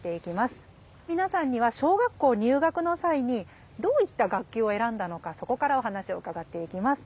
皆さんには小学校入学の際にどういった学級を選んだのかそこからお話を伺っていきます。